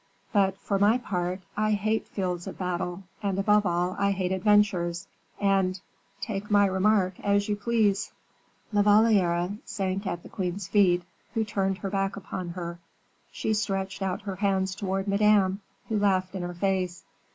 But, for my part, I hate fields of battle, and above all I hate adventures, and take my remark as you please." La Valliere sank at the queen's feet, who turned her back upon her. She stretched out her hands towards Madame, who laughed in her face.